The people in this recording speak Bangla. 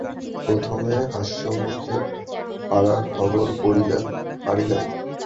প্রথমে হাস্যমুখে পাড়ার খবর পাড়িলেন।